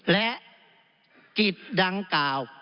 และกิจดังกล่าว